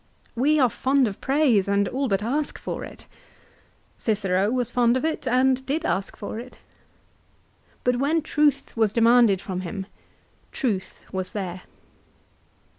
We are fond of praise, and all but ask for it. Cicero was fond of it, and did ask for it. But when truth was demanded from him, truth was there.